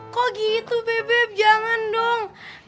kok gitu bebek jangan dong